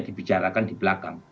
dibicarakan di belakang